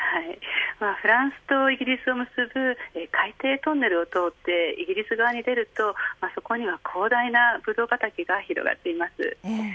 フランスとイギリスを結ぶ海底トンネルを通ってイギリス側に出るとそこには広大なブドウ畑が広がっています。